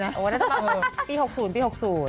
นี่จะบอกว่าปี๖๐ปี๖๐